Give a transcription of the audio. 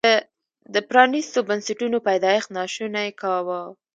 د پرانیستو بنسټونو پیدایښت ناشونی کاوه.